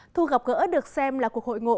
thu gặp gỡ được xem là cuộc hội ngộ